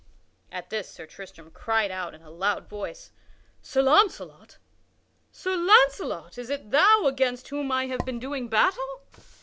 At this Sir Tristram cried out in a loud voice: "Sir Launcelot! Sir Launcelot! Is it thou against whom I have been doing battle!